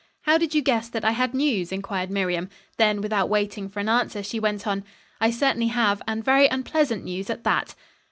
"How did you guess that I had news?" inquired Miriam. Then without waiting for an answer she went on. "I certainly have, and very unpleasant news, at that."